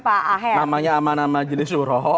pak aher namanya amanah majelis urok